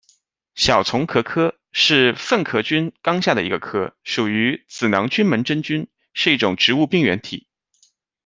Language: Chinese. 小丛壳科是粪壳菌纲下的一个科，属于子囊菌门真菌，是一种植物病原体。